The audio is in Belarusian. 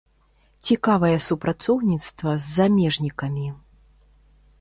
Цікавае супрацоўніцтва з замежнікамі.